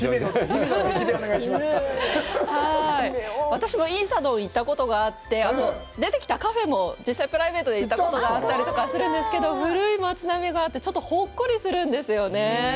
私も仁寺洞、行ったことがあって、出てきたカフェも実際、プライベートで行ったことがあるんですけど、古い街並みがあって、ちょっとほっこりするんですよね。